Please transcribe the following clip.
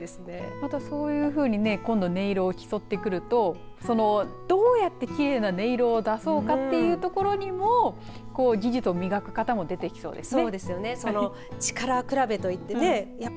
またそういうふうに音色を競ってくるとどうやってきれいな音色を出そうかというところにも技術を磨く方も出てきそうですね。